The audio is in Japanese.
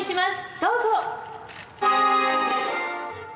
どうぞ。